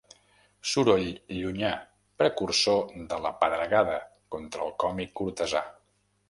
Soroll llunyà precursor de la pedregada contra el còmic cortesà.